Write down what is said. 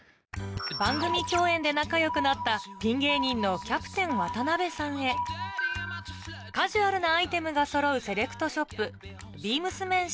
番組共演で仲良くなったピン芸人のキャプテン渡辺さんへカジュアルなアイテムがそろうセレクトショップビームスメン